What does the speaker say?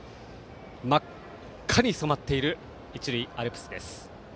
真っ赤に染まっている一塁アルプスです。